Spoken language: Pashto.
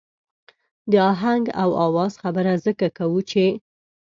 د آهنګ او آواز خبره ځکه کوو چې.